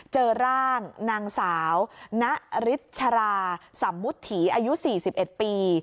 เจอร่างนางสาวณฤชราสำมุติอายุ๔๑ปี